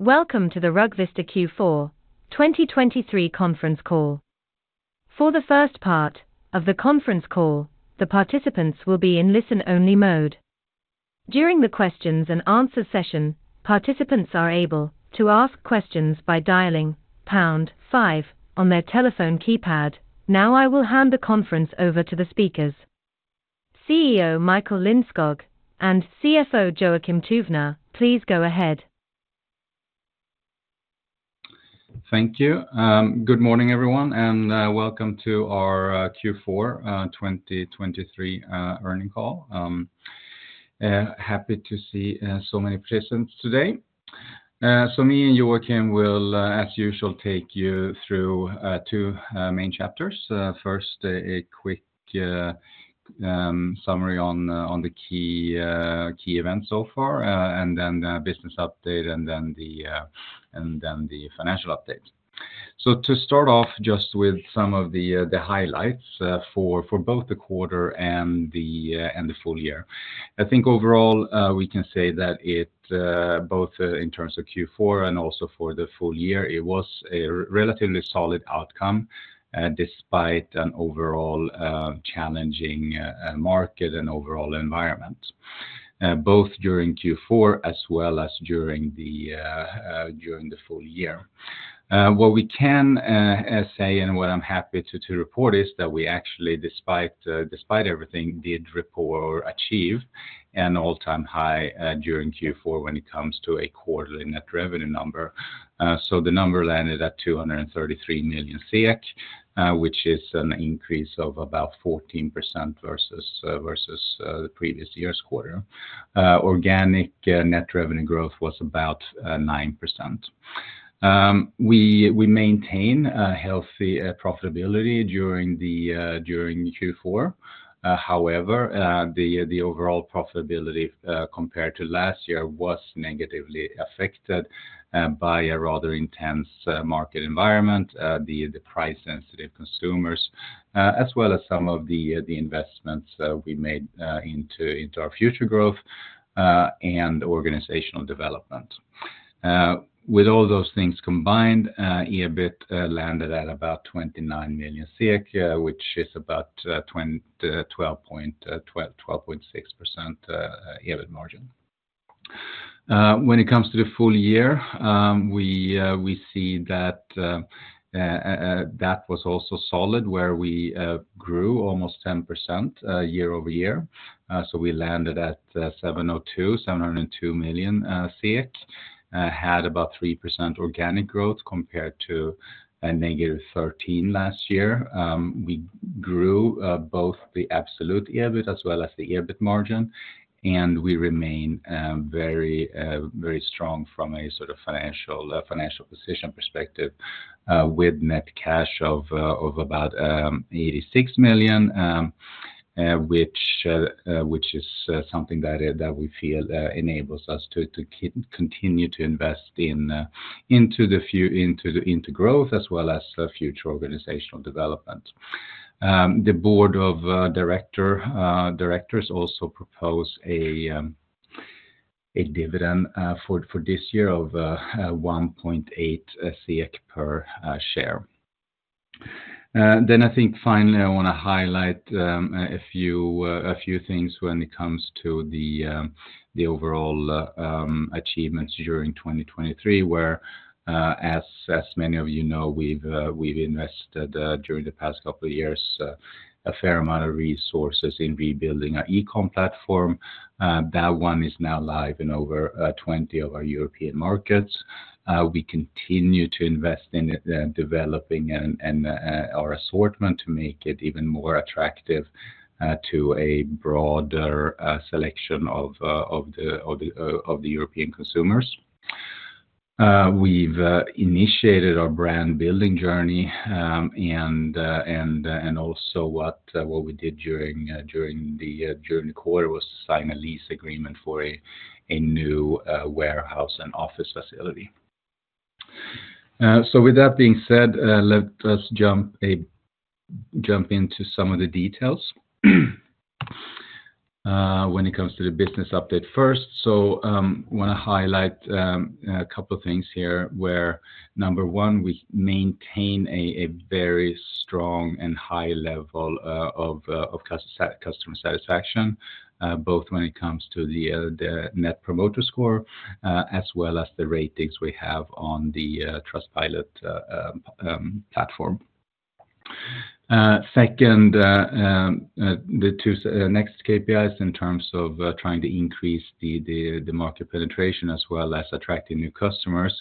Welcome to the Rugvista Q4 2023 conference call. For the first part of the conference call, the participants will be in listen-only mode. During the questions and answer session, participants are able to ask questions by dialing pound five on their telephone keypad. Now, I will hand the conference over to the speakers. CEO Michael Lindskog and CFO Joakim Tuvner, please go ahead. Thank you. Good morning, everyone, and welcome to our Q4 2023 earnings call. Happy to see so many participants today. So me and Joakim will, as usual, take you through two main chapters. First, a quick summary on the key events so far, and then the business update, and then the financial update. So to start off just with some of the highlights for both the quarter and the full year. I think overall, we can say that it both in terms of Q4 and also for the full year, it was a relatively solid outcome, despite an overall challenging market and overall environment, both during Q4 as well as during the full year. What we can say and what I'm happy to report is that we actually, despite everything, did report or achieve an all-time high during Q4 when it comes to a quarterly net revenue number. So the number landed at 233 million, which is an increase of about 14% versus the previous year's quarter. Organic net revenue growth was about 9%. We maintain a healthy profitability during the during Q4. However, the overall profitability, compared to last year, was negatively affected by a rather intense market environment, the price sensitive consumers, as well as some of the investments that we made into our future growth and organizational development. With all those things combined, EBIT landed at about 29 million, which is about 12.6% EBIT margin. When it comes to the full year, we see that that was also solid, where we grew almost 10% year-over-year. So we landed at 702 million. Had about 3% organic growth compared to a -13% last year. We grew both the absolute EBIT as well as the EBIT margin, and we remain very very strong from a sort of financial position perspective, with net cash of about 86 million, which is something that we feel enables us to continue to invest into growth as well as future organizational development. The board of directors also propose a dividend for this year of 1.8 SEK per share. Then I think finally, I want to highlight a few things when it comes to the overall achievements during 2023, where, as many of you know, we've invested during the past couple of years a fair amount of resources in rebuilding our e-com platform. That one is now live in over 20 of our European markets. We continue to invest in it, developing and our assortment to make it even more attractive to a broader selection of the European consumers. We've initiated our brand-building journey, and also what we did during the quarter was to sign a lease agreement for a new warehouse and office facility. So with that being said, let us jump into some of the details. When it comes to the business update first, so I want to highlight a couple of things here, where number one, we maintain a very strong and high level of customer satisfaction, both when it comes to the Net Promoter Score as well as the ratings we have on the Trustpilot platform. Second, the two next KPIs in terms of trying to increase the market penetration as well as attracting new customers.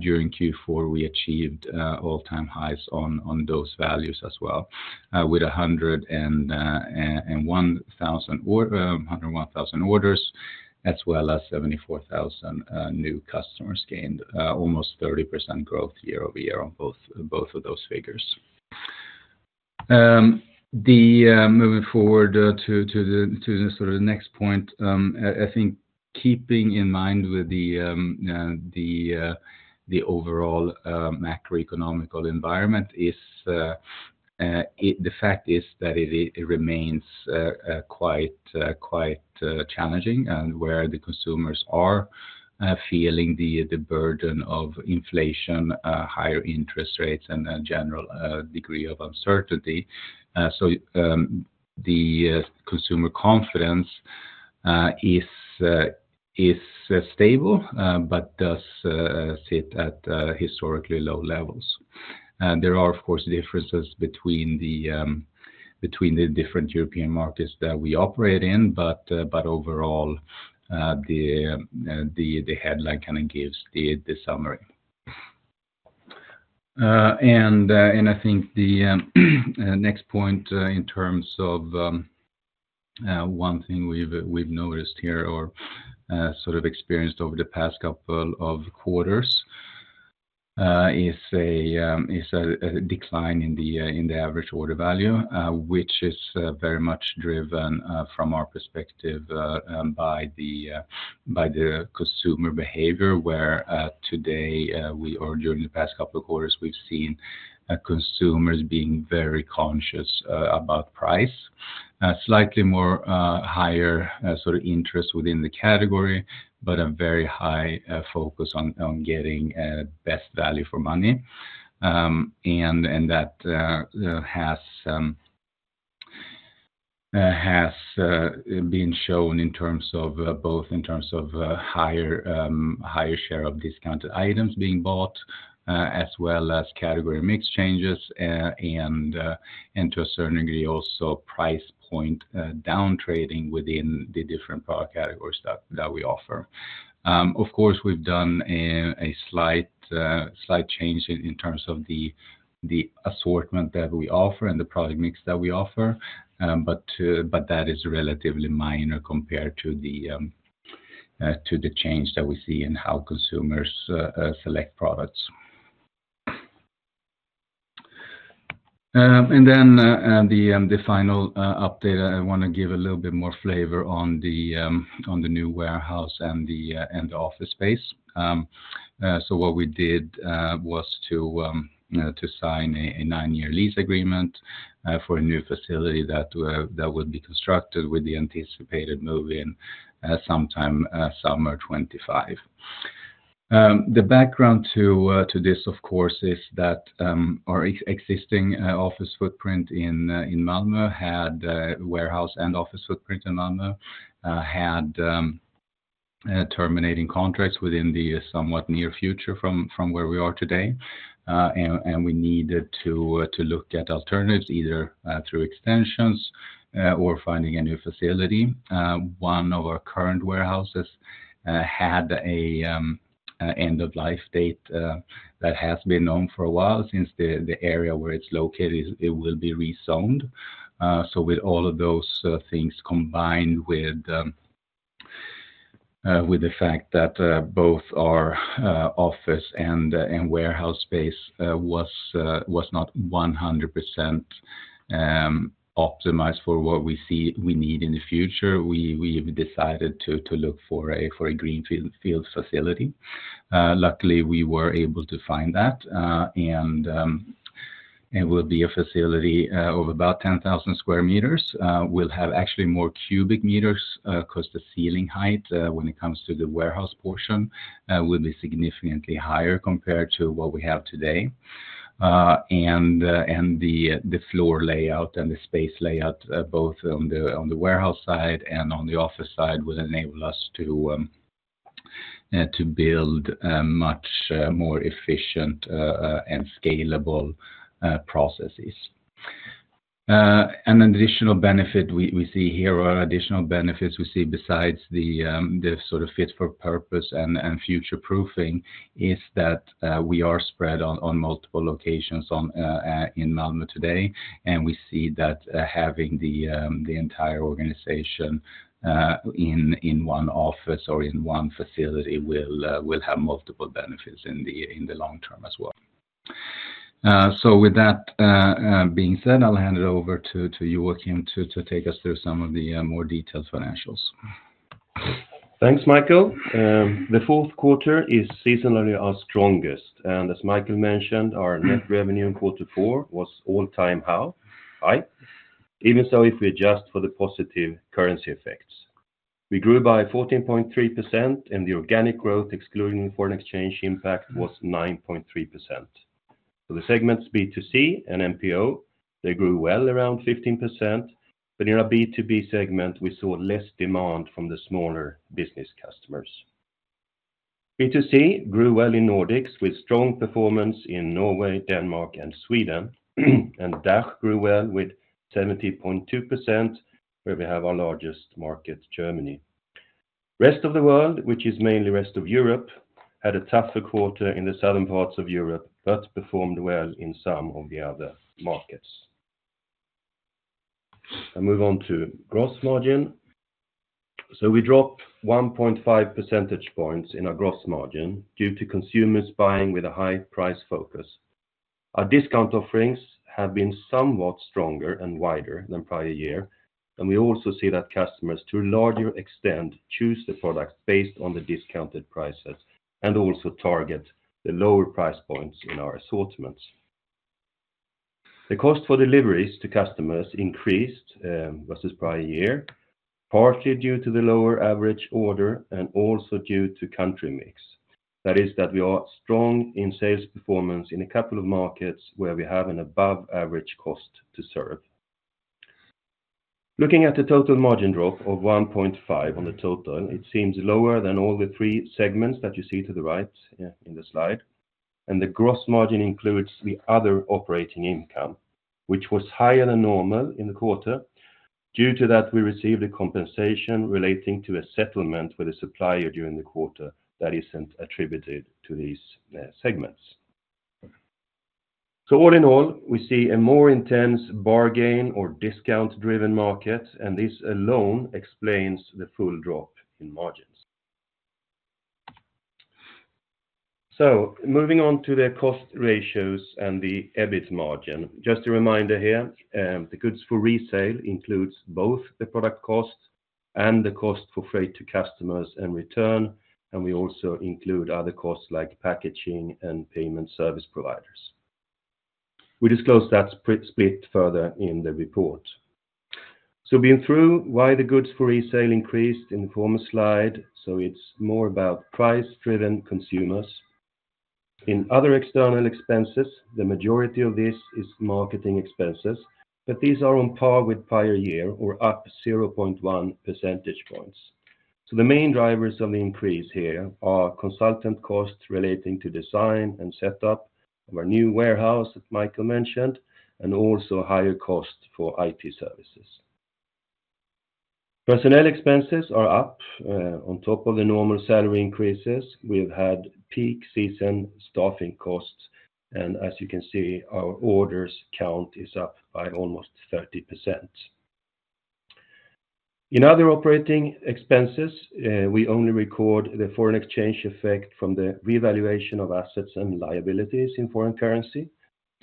During Q4, we achieved all-time highs on those values as well, with 101,000 orders, as well as 74,000 new customers gained, almost 30% growth year-over-year on both of those figures. Moving forward to the sort of next point, I think keeping in mind with the overall macroeconomic environment is a-... The fact is that it remains quite challenging and where the consumers are feeling the burden of inflation, higher interest rates, and a general degree of uncertainty. So, the Consumer Confidence is stable, but does sit at historically low levels. And there are, of course, differences between the different European markets that we operate in, but overall, the headline kind of gives the summary. I think the next point, in terms of, one thing we've noticed here or sort of experienced over the past couple of quarters, is a decline in the average order value, which is very much driven, from our perspective, by the consumer behavior, where today, we or during the past couple of quarters, we've seen consumers being very conscious about price. Slightly more higher sort of interest within the category, but a very high focus on getting best value for money. And that has been shown in terms of both higher share of discounted items being bought as well as category mix changes and to a certain degree also price point downtrading within the different product categories that we offer. Of course, we've done a slight change in terms of the assortment that we offer and the product mix that we offer, but that is relatively minor compared to the change that we see in how consumers select products. And then the final update, I want to give a little bit more flavor on the new warehouse and the office space. So what we did was to sign a nine-year lease agreement for a new facility that would be constructed with the anticipated move in sometime summer 2025. The background to this, of course, is that our existing office footprint in Malmö had warehouse and office footprint in Malmö had terminating contracts within the somewhat near future from where we are today. And we needed to look at alternatives, either through extensions or finding a new facility. One of our current warehouses had an end-of-life date that has been known for a while since the area where it's located, it will be rezoned. So with all of those things combined with the fact that both our office and warehouse space was not 100% optimized for what we see we need in the future, we've decided to look for a greenfield facility. Luckily, we were able to find that, and it will be a facility of about 10,000 square meters. We'll have actually more cubic meters because the ceiling height when it comes to the warehouse portion will be significantly higher compared to what we have today. And the floor layout and the space layout, both on the warehouse side and on the office side, will enable us to build a much more efficient and scalable processes. And an additional benefit we see here or additional benefits we see besides the sort of fit for purpose and future-proofing is that we are spread on multiple locations in Malmö today, and we see that having the entire organization in one office or in one facility will have multiple benefits in the long term as well. So with that being said, I'll hand it over to you, Joakim, to take us through some of the more detailed financials. Thanks, Michael. The fourth quarter is seasonally our strongest, and as Michael mentioned, our net revenue in quarter four was all-time high. Even so, if we adjust for the positive currency effects, we grew by 14.3%, and the organic growth, excluding foreign exchange impact, was 9.3%. So the segments B2C and MPO, they grew well around 15%, but in our B2B segment, we saw less demand from the smaller business customers. B2C grew well in Nordics, with strong performance in Norway, Denmark, and Sweden. DACH grew well with 70.2%, where we have our largest market, Germany. Rest of the world, which is mainly rest of Europe, had a tougher quarter in the southern parts of Europe, but performed well in some of the other markets. I'll move on to gross margin. We dropped 1.5 percentage points in our gross margin due to consumers buying with a high price focus. Our discount offerings have been somewhat stronger and wider than prior year, and we also see that customers, to a larger extent, choose the products based on the discounted prices and also target the lower price points in our assortments. The cost for deliveries to customers increased versus prior year, partly due to the lower average order and also due to country mix. That is, that we are strong in sales performance in a couple of markets where we have an above-average cost to serve. Looking at the total margin drop of 1.5% on the total, it seems lower than all three segments that you see to the right in the slide, and the gross margin includes the other operating income, which was higher than normal in the quarter. Due to that, we received a compensation relating to a settlement with a supplier during the quarter that isn't attributed to these segments. So all in all, we see a more intense bargain or discount-driven market, and this alone explains the full drop in margins. So moving on to the cost ratios and the EBIT margin. Just a reminder here, the goods for resale includes both the product cost and the cost for freight to customers and return, and we also include other costs like packaging and payment service providers. We disclose that a bit further in the report. So, going through why the goods for resale increased in the former slide, so it's more about price-driven consumers. In other external expenses, the majority of this is marketing expenses, but these are on par with prior year or up 0.1 percentage points. So the main drivers of the increase here are consultant costs relating to design and setup of our new warehouse, that Michael mentioned, and also higher costs for IT services. Personnel expenses are up, on top of the normal salary increases. We've had peak season staffing costs, and as you can see, our orders count is up by almost 30%. In other operating expenses, we only record the foreign exchange effect from the revaluation of assets and liabilities in foreign currency.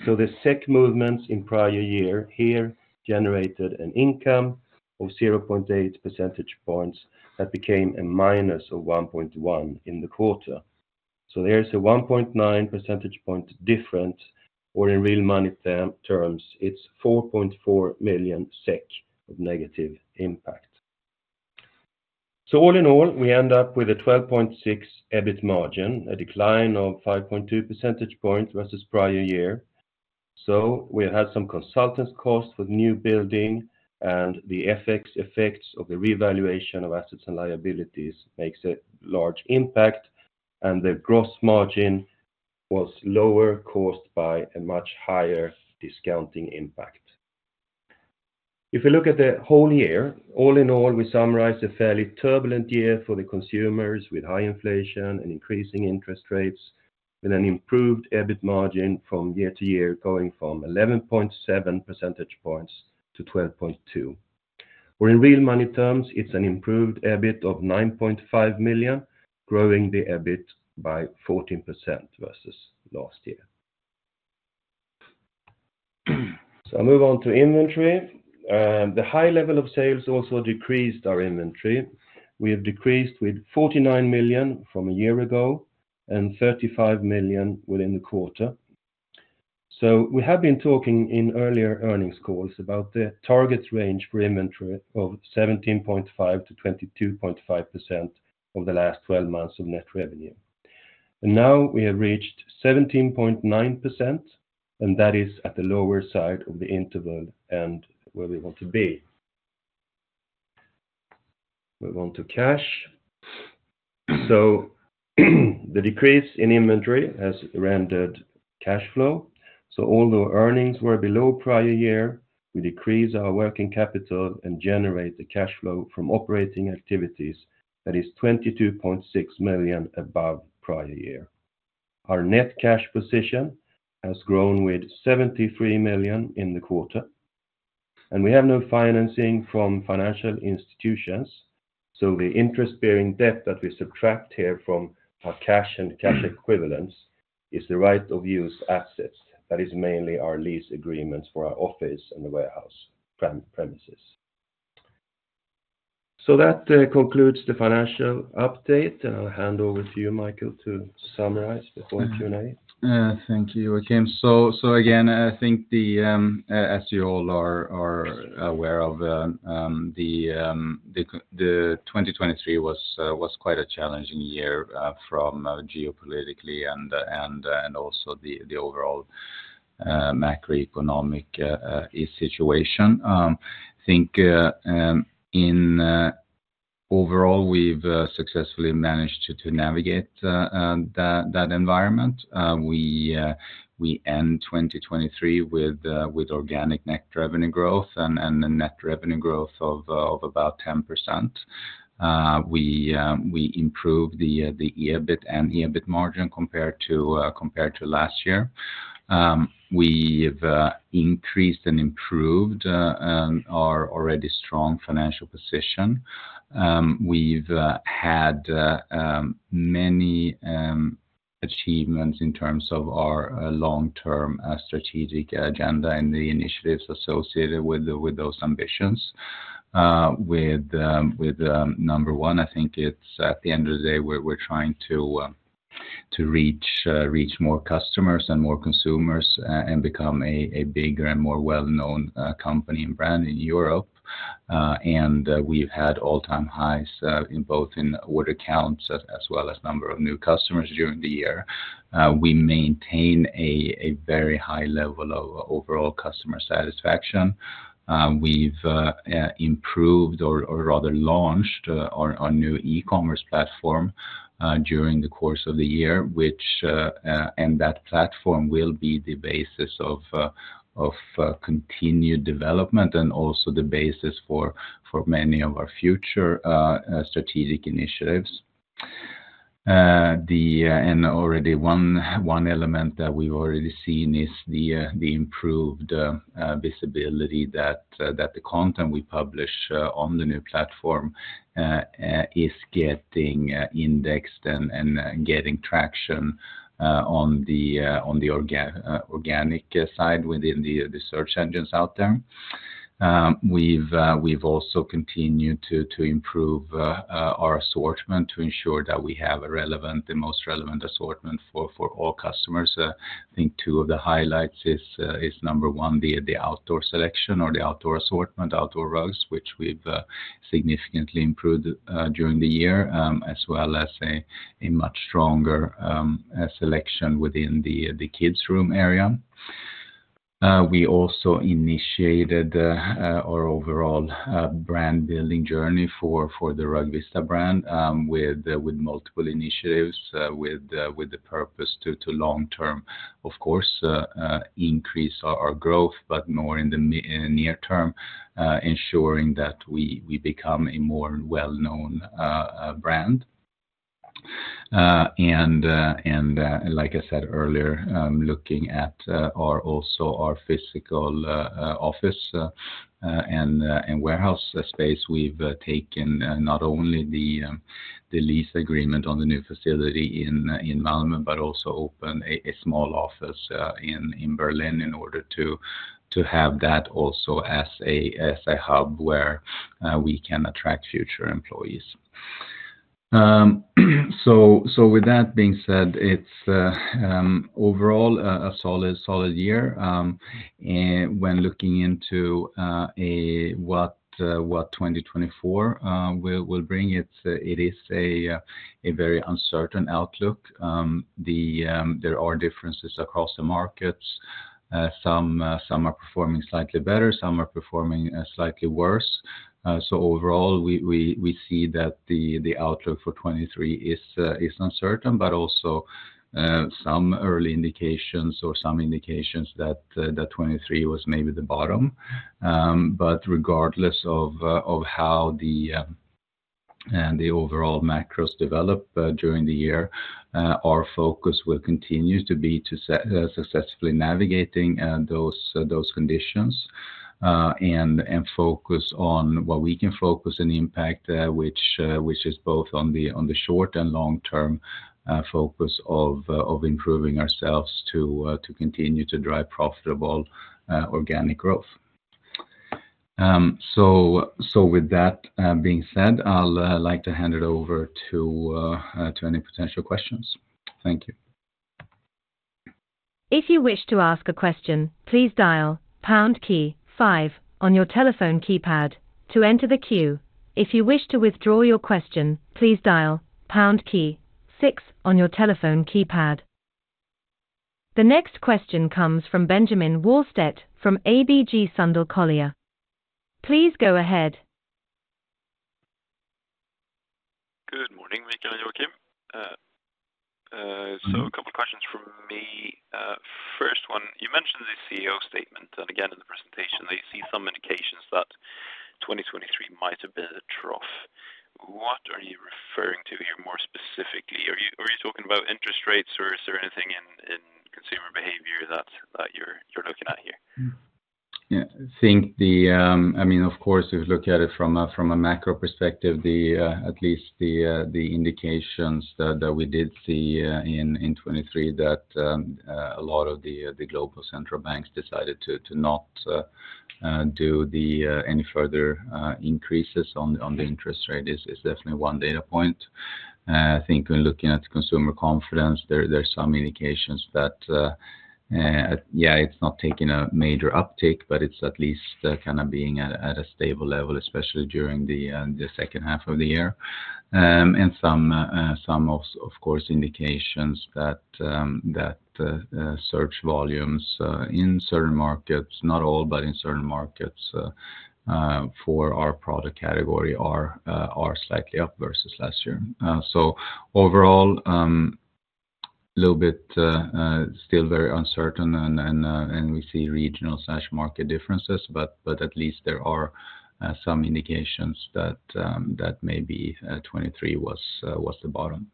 So the SEK movements in prior year here generated an income of 0.8 percentage points that became a minus of 1.1 in the quarter. So there's a 1.9 percentage point difference, or in real money terms, it's 4.4 million SEK of negative impact. So all in all, we end up with a 12.6% EBIT margin, a decline of 5.2 percentage points versus prior year. So we had some consultant costs with new building, and the FX effects of the revaluation of assets and liabilities makes a large impact, and the gross margin was lower, caused by a much higher discounting impact. If you look at the whole year, all in all, we summarize a fairly turbulent year for the consumers, with high inflation and increasing interest rates, with an improved EBIT margin from year to year, going from 11.7 percentage points to 12.2, or in real money terms, it's an improved EBIT of 9.5 million, growing the EBIT by 14% versus last year. So I move on to inventory. The high level of sales also decreased our inventory. We have decreased with 49 million from a year ago and 35 million within the quarter. So we have been talking in earlier earnings calls about the target range for inventory of 17.5%-22.5% over the last 12 months of net revenue. Now we have reached 17.9%, and that is at the lower side of the interval and where we want to be. Move on to cash. So the decrease in inventory has rendered cash flow. So although earnings were below prior year, we decreased our working capital and generate the cash flow from operating activities. That is 22.6 million above prior year. Our net cash position has grown with 73 million in the quarter, and we have no financing from financial institutions, so the interest-bearing debt that we subtract here from our cash and cash equivalents is the Right of Use Assets. That is mainly our lease agreements for our office and the warehouse premises. So that concludes the financial update, and I'll hand over to you, Michael, to summarize before Q&A. Thank you, Joakim. So, again, I think as you all are aware of, the 2023 was quite a challenging year from geopolitically and also the overall macroeconomic situation. Overall, we've successfully managed to navigate that environment. We end 2023 with organic net revenue growth and a net revenue growth of about 10%. We improved the EBIT and EBIT margin compared to last year. We've increased and improved our already strong financial position. We've had many achievements in terms of our long-term strategic agenda and the initiatives associated with those ambitions. With number one, I think it's, at the end of the day, we're trying to reach more customers and more consumers, and become a bigger and more well-known company and brand in Europe. We've had all-time highs in both order accounts as well as number of new customers during the year. We maintain a very high level of overall customer satisfaction. We've improved or rather launched our new e-commerce platform during the course of the year, which and that platform will be the basis of continued development and also the basis for many of our future strategic initiatives. And already one element that we've already seen is the improved visibility that the content we publish on the new platform is getting indexed and getting traction on the organic side within the search engines out there. We've also continued to improve our assortment, to ensure that we have the most relevant assortment for all customers. I think two of the highlights is number one, the outdoor selection or the outdoor assortment, outdoor rugs, which we've significantly improved during the year, as well as a much stronger selection within the kids room area. We also initiated our overall brand building journey for the RugVista brand with multiple initiatives with the purpose to long term, of course, increase our growth, but more in the near term ensuring that we become a more well-known brand. And like I said earlier, looking at our physical office and warehouse space, we've taken not only the lease agreement on the new facility in Malmö, but also opened a small office in Berlin in order to have that also as a hub where we can attract future employees. So with that being said, it's overall a solid year. And when looking into what 2024 will bring, it is a very uncertain outlook. There are differences across the markets. Some are performing slightly better, some are performing slightly worse. So overall, we see that the outlook for 2023 is uncertain, but also some early indications or some indications that 2023 was maybe the bottom. But regardless of how the overall macros develop during the year, our focus will continue to be to successfully navigating those conditions and focus on what we can focus and impact, which is both on the short and long-term focus of improving ourselves to continue to drive profitable organic growth. So with that being said, I'll like to hand it over to any potential questions. Thank you. If you wish to ask a question, please dial pound key five on your telephone keypad to enter the queue. If you wish to withdraw your question, please dial pound key six on your telephone keypad. The next question comes from Benjamin Wahlstedt, from ABG Sundal Collier. Please go ahead. Good morning, Michael and Joakim. So a couple questions from me. First one, you mentioned the CEO statement, and again, in the presentation, that you see some indications that 2023 might have been a trough. What are you referring to here more specifically? Are you talking about interest rates or is there anything in consumer behavior that you're looking at here? Yeah, I think the... I mean, of course, if you look at it from a, from a macro perspective, at least the indications that we did see in 2023, that a lot of the global central banks decided to not do any further increases on the interest rate is definitely one data point. I think when looking at Consumer Confidence, there are some indications that, yeah, it's not taking a major uptick, but it's at least kinda being at a stable level, especially during the second half of the year. Some, of course, indications that search volumes in certain markets, not all, but in certain markets, for our product category are slightly up versus last year. So overall, little bit still very uncertain and we see regional/market differences, but at least there are some indications that maybe 2023 was the bottom.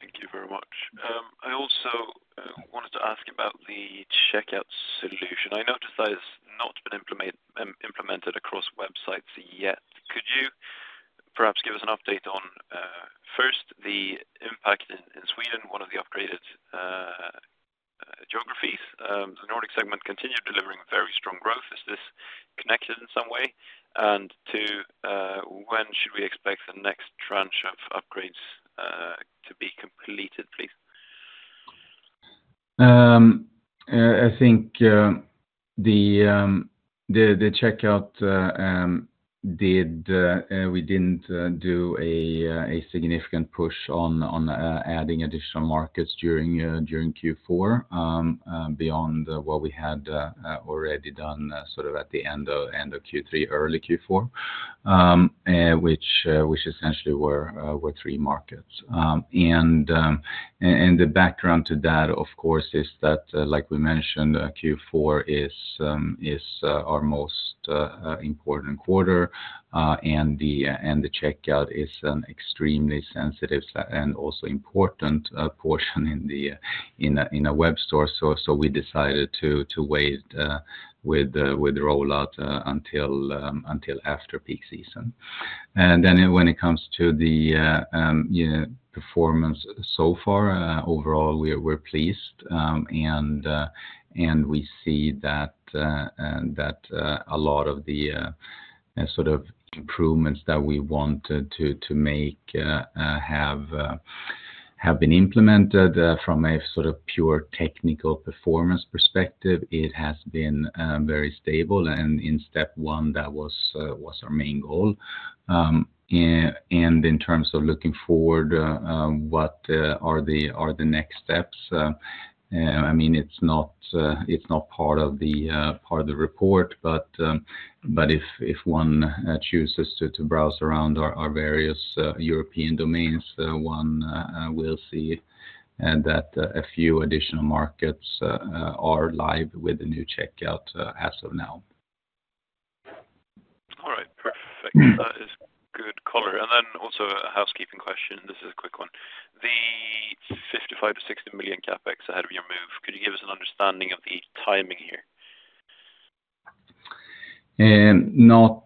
Thank you very much. I also wanted to ask about the checkout solution. I noticed that it's not been implemented across websites yet. Could you perhaps give us an update on first the impact in Sweden, one of the upgraded, please, the Nordic segment continued delivering very strong growth. Is this connected in some way? And when should we expect the next tranche of upgrades to be completed, please? I think the checkout... We didn't do a significant push on adding additional markets during Q4 beyond what we had already done sort of at the end of Q3, early Q4. And which essentially were three markets. And the background to that, of course, is that, like we mentioned, Q4 is our most important quarter, and the checkout is an extremely sensitive and also important portion in a web store. So we decided to wait with the rollout until after peak season. Then when it comes to the performance so far, overall, we're pleased. And we see that a lot of the sort of improvements that we want to make have been implemented from a sort of pure technical performance perspective. It has been very stable, and in step one, that was our main goal. In terms of looking forward, what are the next steps? I mean, it's not part of the report, but if one chooses to browse around our various European domains, one will see that a few additional markets are live with the new checkout, as of now. All right. Perfect. That is good color. And then also a housekeeping question. This is a quick one. The 55 million-60 million CapEx ahead of your move, could you give us an understanding of the timing here? Not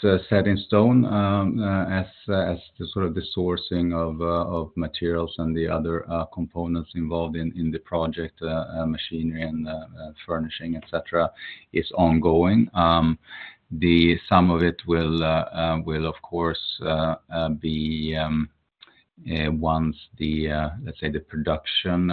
set in stone, as the sort of sourcing of materials and the other components involved in the project, machinery and furnishing, et cetera, is ongoing. Some of it will of course be once the, let's say, the production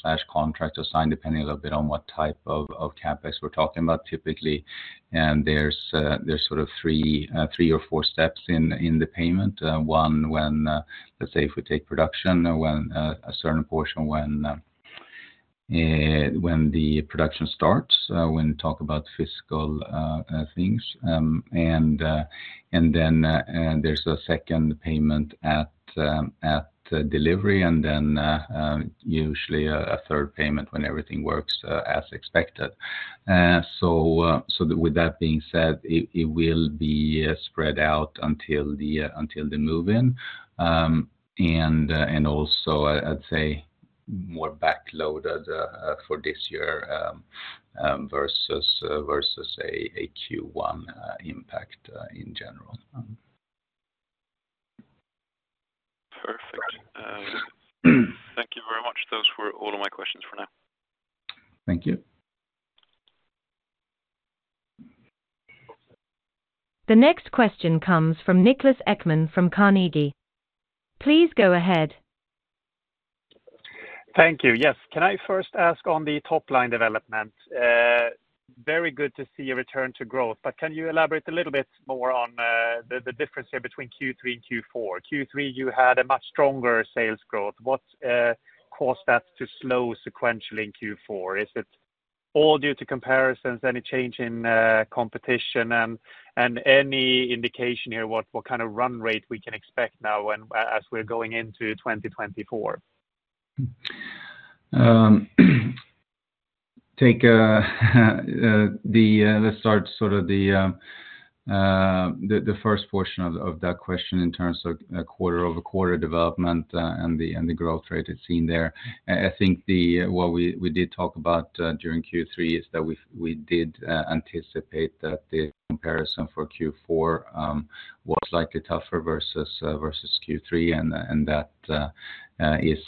slash contract is signed, depending a little bit on what type of CapEx we're talking about. Typically, and there's sort of 3 or 4 steps in the payment. One, when, let's say if we take production, when the production starts, when we talk about fiscal things, and then there's a second payment at delivery, and then usually a third payment when everything works as expected. So with that being said, it will be spread out until the move-in. And also, I'd say more backloaded for this year versus a Q1 impact in general. Perfect. Thank you very much. Those were all of my questions for now. Thank you. The next question comes from Niklas Ekman from Carnegie. Please go ahead. Thank you. Yes. Can I first ask on the top-line development? Very good to see a return to growth, but can you elaborate a little bit more on the difference here between Q3 and Q4? Q3, you had a much stronger sales growth. What caused that to slow sequentially in Q4? Is it all due to comparisons, any change in competition, and any indication here, what kind of run rate we can expect now when, as we're going into 2024? Let's start sort of the first portion of that question in terms of quarter-over-quarter development, and the growth rate is seen there. I think what we did talk about during Q3 is that we did anticipate that the comparison for Q4 was likely tougher versus Q3, and that is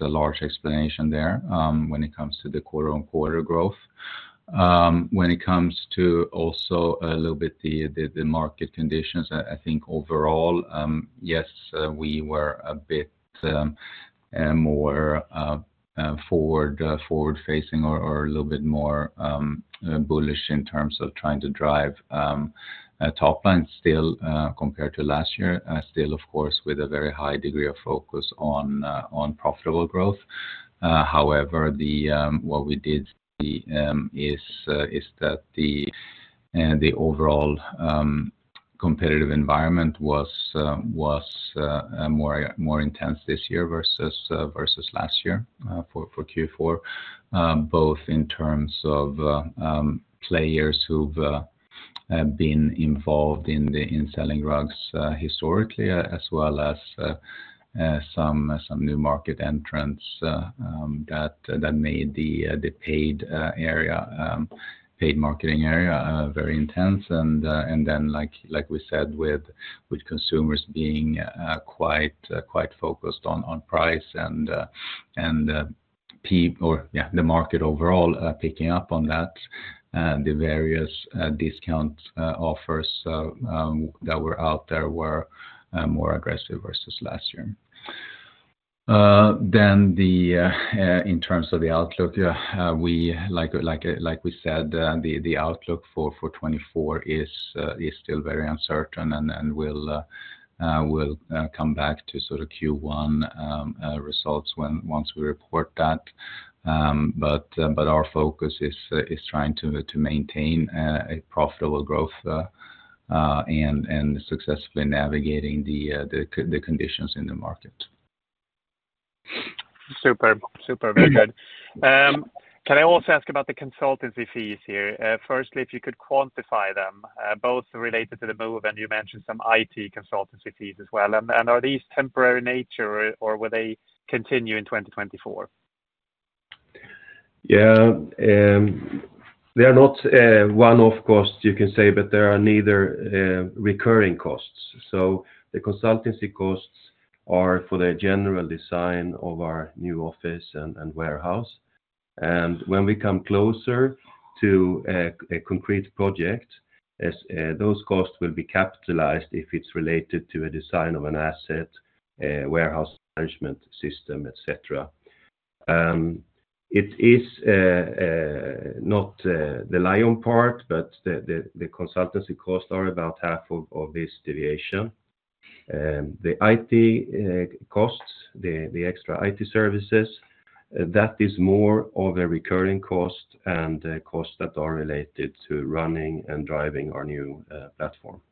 a large explanation there when it comes to the quarter-on-quarter growth. When it comes to also a little bit the market conditions, I think overall, yes, we were a bit more forward-facing or a little bit more bullish in terms of trying to drive top line still compared to last year. Still, of course, with a very high degree of focus on profitable growth. However, what we did see is that the overall competitive environment was more intense this year versus last year for Q4. Both in terms of players who've been involved in selling rugs historically, as well as some new market entrants that made the paid marketing area very intense. And then, like we said, with consumers being quite focused on price and the market overall picking up on that, and the various discount offers that were out there were more aggressive versus last year. Then, in terms of the outlook, yeah, like we said, the outlook for 2024 is still very uncertain, and we'll come back to sort of Q1 results once we report that. But our focus is trying to maintain a profitable growth and successfully navigating the conditions in the market. Superb. Superb. Very good. Can I also ask about the consultancy fees here? Firstly, if you could quantify them, both related to the move, and you mentioned some IT consultancy fees as well. Are these temporary nature or will they continue in 2024? Yeah, they are not one-off costs, you can say, but they are neither recurring costs. So the consultancy costs are for the general design of our new office and warehouse. And when we come closer to a concrete project, as those costs will be capitalized if it's related to a design of an asset, a warehouse management system, et cetera. It is not the lion part, but the consultancy costs are about half of this deviation. The IT costs, the extra IT services, that is more of a recurring cost and the costs that are related to running and driving our new platform.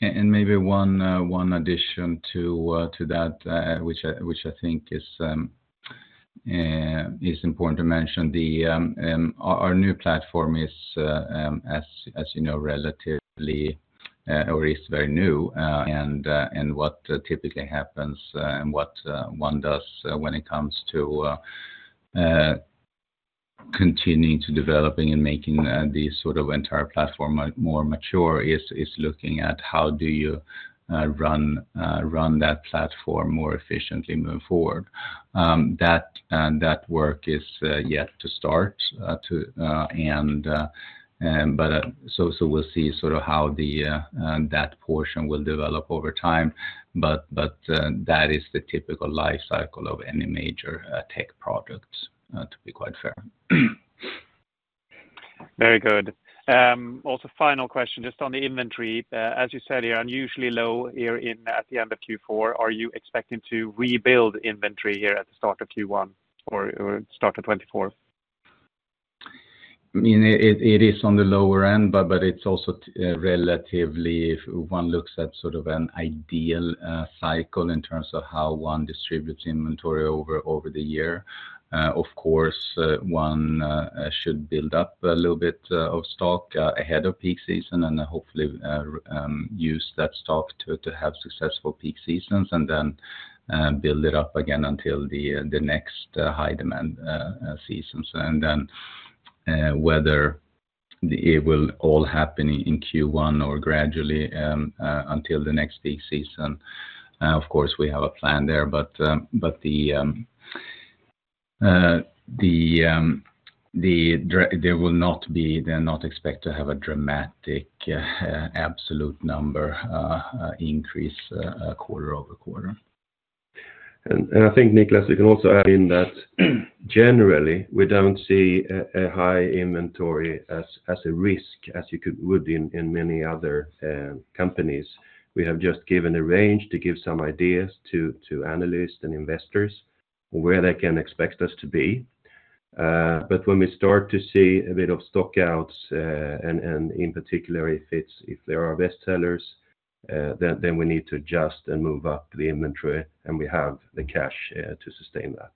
Maybe one addition to that, which I think is important to mention. Our new platform is, as you know, relatively or is very new, and what typically happens and what one does when it comes to continuing to developing and making the sort of entire platform more mature is looking at how do you run that platform more efficiently moving forward. That work is yet to start, but so we'll see sort of how that portion will develop over time, but that is the typical life cycle of any major tech products to be quite fair. Very good. Also, final question, just on the inventory. As you said, you're unusually low here in at the end of Q4. Are you expecting to rebuild inventory here at the start of Q1 or, or start of 2024? I mean, it is on the lower end, but it's also relatively, if one looks at sort of an ideal cycle in terms of how one distributes inventory over the year. Of course, one should build up a little bit of stock ahead of peak season and hopefully use that stock to have successful peak seasons and then build it up again until the the next high demand seasons. And then whether it will all happen in Q1 or gradually until the next peak season, of course, we have a plan there, but there will not be, they're not expect to have a dramatic absolute number increase quarter-over-quarter. I think, Niklas, you can also add in that generally, we don't see a high inventory as a risk as you would in many other companies. We have just given a range to give some ideas to analysts and investors where they can expect us to be. But when we start to see a bit of stock outs, and in particular, if there are best sellers, then we need to adjust and move up the inventory, and we have the cash to sustain that.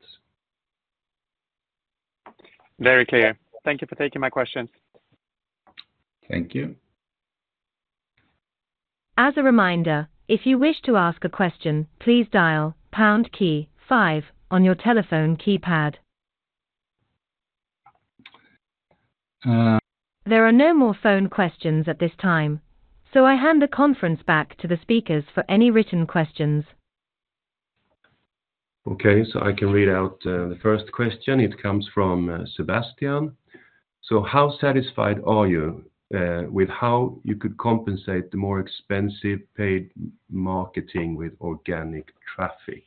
Very clear. Thank you for taking my questions. Thank you. As a reminder, if you wish to ask a question, please dial pound key five on your telephone keypad. Uh- There are no more phone questions at this time, so I hand the conference back to the speakers for any written questions. Okay, so I can read out the first question. It comes from Sebastian: So how satisfied are you with how you could compensate the more expensive paid marketing with organic traffic?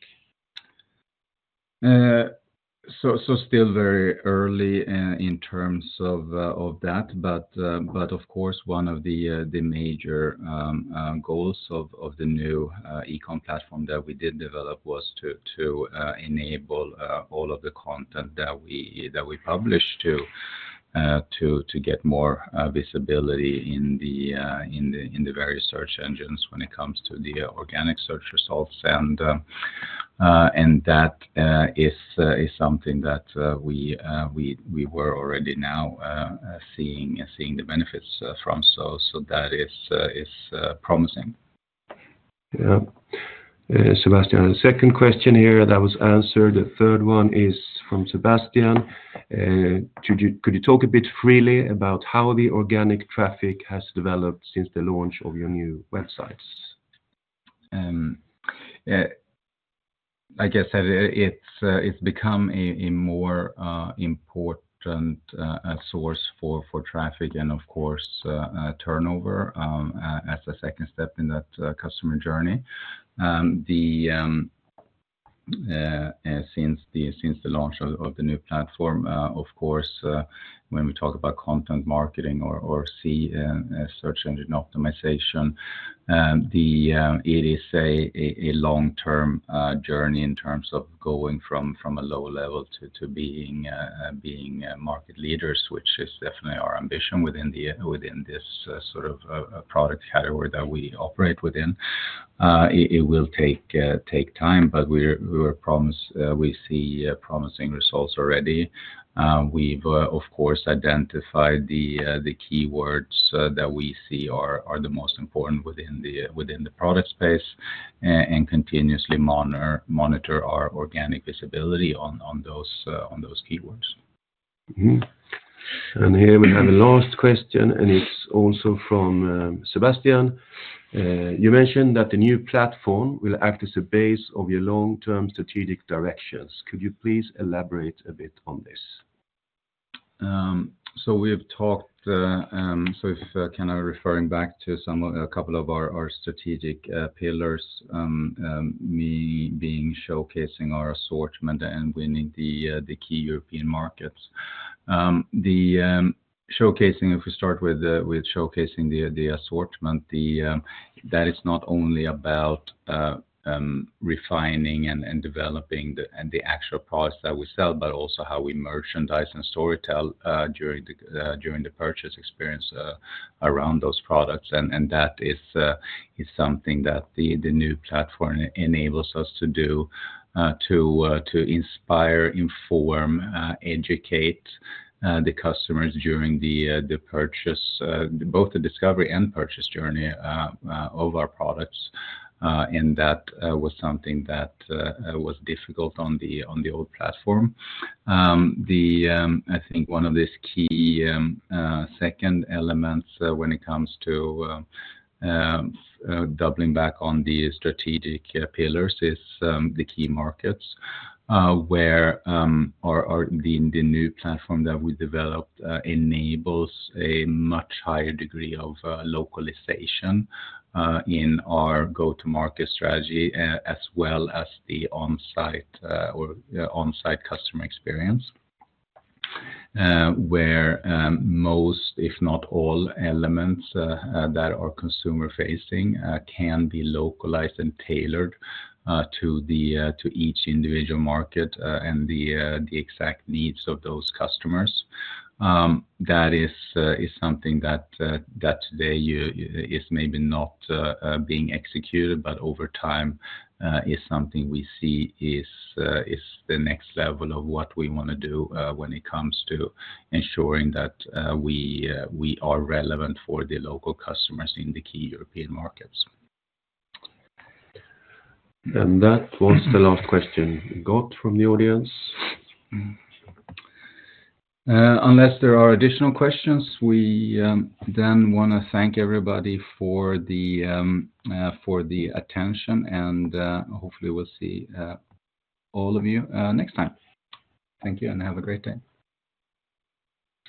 So still very early in terms of that, but of course, one of the major goals of the new e-com platform that we did develop was to enable all of the content that we published to get more visibility in the various search engines when it comes to the organic search results. And that is something that we were already now seeing the benefits from. So that is promising. Yeah. Sebastian, the second question here that was answered. The third one is from Sebastian: could you, could you talk a bit freely about how the organic traffic has developed since the launch of your new websites? I guess that it's become a more important source for traffic and, of course, turnover, as a second step in that customer journey. Since the launch of the new platform, of course, when we talk about content marketing or SEO, search engine optimization, it is a long-term journey in terms of going from a low level to being market leaders, which is definitely our ambition within this sort of product category that we operate within. It will take time, but we see promising results already. We've, of course, identified the keywords that we see are the most important within the product space, and continuously monitor our organic visibility on those keywords. Mm-hmm. And here we have the last question, and it's also from Sebastian. You mentioned that the new platform will act as a base of your long-term strategic directions. Could you please elaborate a bit on this? So we've talked, if I can referring back to a couple of our strategic pillars, me being showcasing our assortment and winning the key European markets. The showcasing, if we start with showcasing the assortment, that is not only about refining and developing the actual products that we sell, but also how we merchandise and storytell during the purchase experience around those products. And that is something that the new platform enables us to do to inspire, inform, educate the customers during the purchase both the discovery and purchase journey of our products. That was something that was difficult on the old platform. I think one of these key second elements, when it comes to doubling back on the strategic pillars, is the key markets, where the new platform that we developed enables a much higher degree of localization in our go-to-market strategy, as well as the on-site customer experience. Where most, if not all elements, that are consumer-facing can be localized and tailored to each individual market, and the exact needs of those customers. That is something that today you... is maybe not being executed, but over time, is something we see is the next level of what we want to do, when it comes to ensuring that we are relevant for the local customers in the key European markets. That was the last question we got from the audience. Unless there are additional questions, we then want to thank everybody for the attention, and hopefully we'll see all of you next time. Thank you, and have a great day.